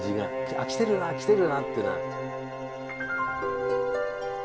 「あっ来てるな来てるな」っていうのは。